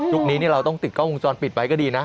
นี้เราต้องติดกล้องวงจรปิดไว้ก็ดีนะ